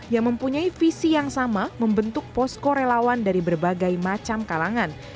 yang mempunyai visi yang sama membentuk posko relawan dari berbagai macam kalangan